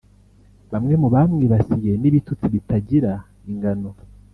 Bamwe mu bamwibasiye n’ibitutsi bitagira ingano